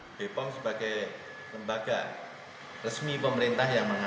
bapak bepong sebagai lembaga resmi pemerintah yang mengawasi